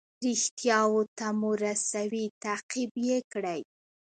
ریښتیاوو ته مو رسوي تعقیب یې کړئ.